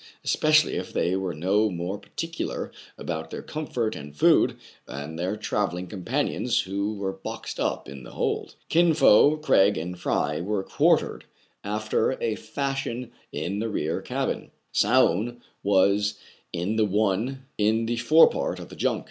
especially if they were no more particular about their comfort and food than their travelling companions who were boxed up in the hold. 192 , TRIBULATIONS OF A CHINAMAN. Kin Fo, Craig, and Fry were quartered after ai fashion in the rear cabin. Soun was in the one in the fore part of the junk.